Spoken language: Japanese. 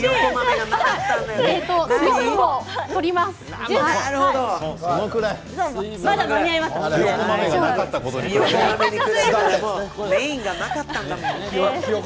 前はメインがなかったんだもん。